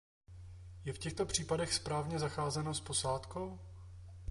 Je v těchto případech správně zacházeno s posádkou?